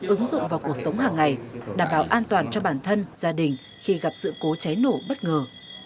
ứng dụng vào cuộc sống hàng ngày đảm bảo an toàn cho bản thân gia đình khi gặp sự cố cháy nổ bất ngờ